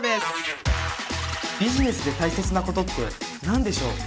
ビジネスで大切なことって何でしょう？